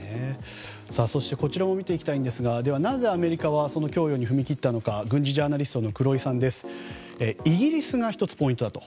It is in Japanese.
そしてこちらも見ていきたいんですがなぜアメリカはその供与に踏み切ったのか軍事ジャーナリストの黒井さんですがイギリスが１つポイントだと。